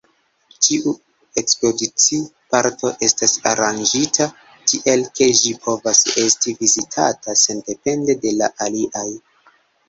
Ĉiu ekspozici-parto estas aranĝita tiel, ke ĝi povas esti vizitata sendepende de la aliaj.